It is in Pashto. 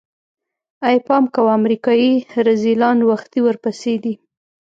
ای پام کوه امريکايي رذيلان وختي ورپسې دي.